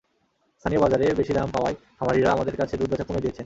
স্থানীয় বাজারে বেশি দাম পাওয়ায় খামারিরা আমাদের কাছে দুধ বেচা কমিয়ে দিয়েছেন।